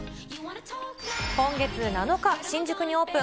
今月７日、新宿にオープン。